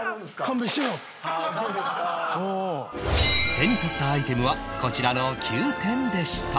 手に取ったアイテムはこちらの９点でした